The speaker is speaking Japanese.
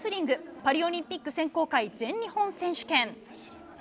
パリオリンピック選考会、全日本選手権。